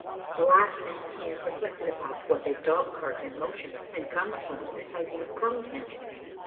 The last thing he had reflected about was a dog cart in motion, and, consequently, this idea clung to him.